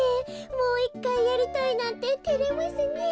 もういっかいやりたいなんててれますねえ。